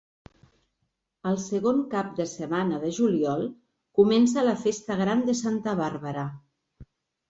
El segon cap de setmana de juliol comença la festa gran de Santa Bàrbara.